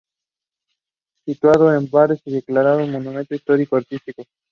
Situado en Barres y declarado Monumento Histórico-Artístico.